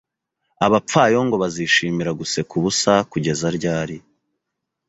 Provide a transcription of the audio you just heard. Abapfayongo bazishimira guseka ubusa kugeza ryari